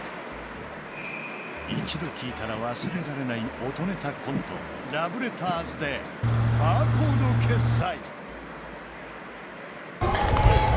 一度聞いたら忘れられない音ネタコントラブレターズでバーコード決済。